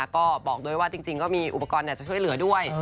ก็บอกด้วยว่าจริงก็มีอุปกรณ์จะช่วยเหลือด้วย